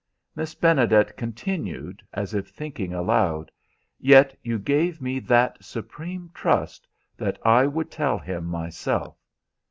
Miss Benedet continued, as if thinking aloud: "Yet you gave me that supreme trust, that I would tell him myself!